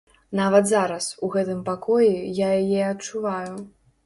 Нават зараз, у гэтым пакоі, я яе адчуваю.